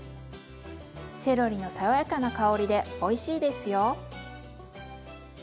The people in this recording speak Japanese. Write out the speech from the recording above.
セロリの爽やかな香りでおいしいですよ。